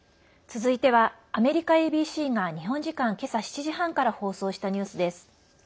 続いては、アメリカＡＢＣが日本時間けさ７時半から放送したニュースです。